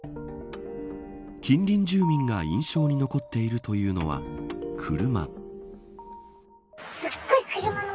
近隣住民が印象に残っているというのは車。